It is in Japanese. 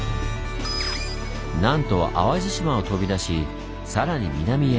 なんと淡路島を飛び出しさらに南へ！